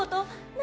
何？